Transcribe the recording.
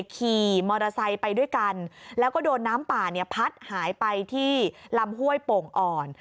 ขี่มอเตอร์ไซค์ไปด้วยกันแล้วก็โดนน้ำป่าเนี่ยพัดหายไปที่ลำห้วยโป่งอ่อน